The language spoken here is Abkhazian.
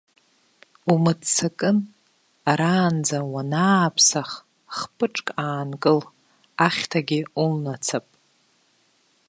Умыццакын, араанӡа уанааԥсах хпыҿк аанкыл, ахьҭагьы улнацап.